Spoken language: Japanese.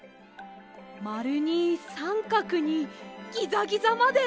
まるにさんかくにギザギザまで！